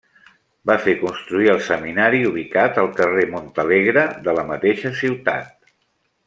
Va fer construir el seminari ubicat al carrer Montalegre de la mateixa ciutat.